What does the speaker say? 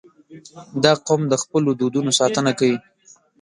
• دا قوم د خپلو دودونو ساتنه کوي.